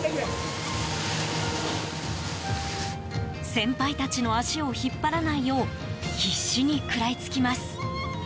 先輩たちの足を引っ張らないよう必死に食らいつきます。